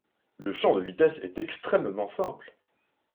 le champ de vitesse est extrêmement simple